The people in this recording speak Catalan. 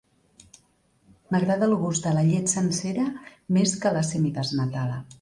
M'agrada el gust de la llet sencera més que la semidesnatada.